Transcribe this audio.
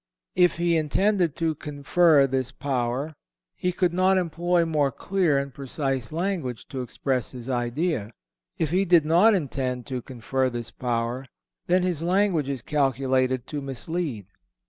If he intended to confer this power, he could not employ more clear and precise language to express his idea; if he did not intend to confer this power, then his language is calculated to mislead.